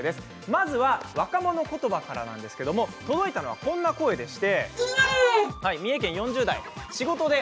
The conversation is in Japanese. まずは若者言葉からなんですけど届いたのはこんな声です。